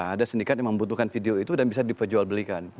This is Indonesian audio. ada sindikat yang membutuhkan video itu dan bisa diperjualbelikan